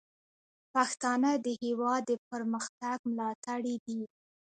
پښتانه د هیواد د پرمختګ ملاتړي دي.